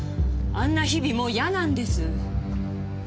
あんな日々もう嫌なんです。